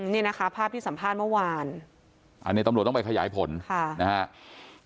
นี่นะคะภาพที่สัมภาษณ์เมื่อวานอันนี้ตำรวจต้องไปขยายผลค่ะนะครับ